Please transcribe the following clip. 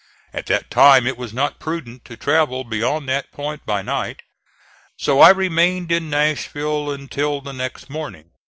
At that time it was not prudent to travel beyond that point by night, so I remained in Nashville until the next morning.